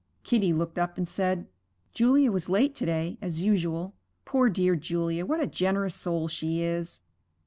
Kitty looked up and said, 'Julia was late to day, as usual. Poor dear Julia, what a generous soul she is!'